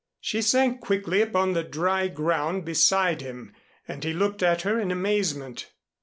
She sank quickly upon the dry ground beside him and he looked at her in amazement.